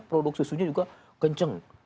produk susunya juga kenceng